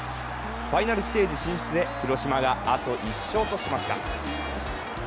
ファイナルステージ進出へ、広島があと１勝としました。